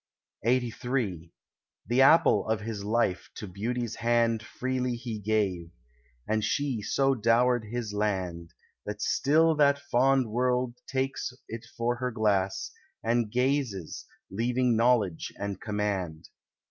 LXXXIII The apple of his life to Beauty's hand Freely he gave, and she so dowered his land, That still that fond world takes it for her glass, And gazes, leaving knowledge and command.